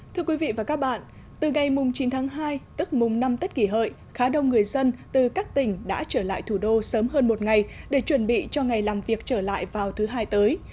thưa quý vị và các bạn từ ngày mùng chín tháng hai tức mùng năm tết kỷ hợi khá đông người dân từ các tỉnh đã trở lại thủ đô sớm hơn một ngày để chuẩn bị cho ngày làm việc trở lại vào thứ hai tới